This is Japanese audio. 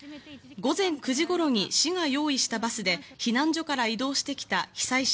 午前９時頃に市が用意したバスで避難所から移動してきた被災者